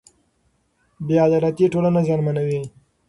بې عدالتي ټولنه زیانمنوي.